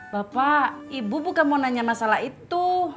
bapak ibu bukan mau nanya masalah itu